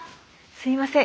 すいません。